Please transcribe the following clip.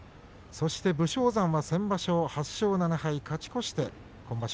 武将山は先場所８勝７敗勝ち越して今場所